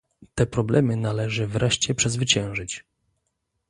Te problemy należy wreszcie przezwyciężyć